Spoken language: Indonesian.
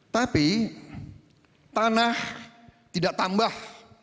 tapi tanah tidak tambah